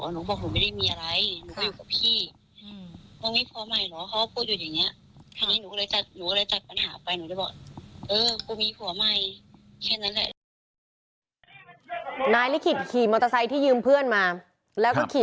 นายบอกหนูไม่ได้มีอะไรหนูก็อยู่กับพี่